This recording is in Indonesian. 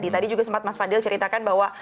tadi juga sempat mas fadil ceritakan bahwa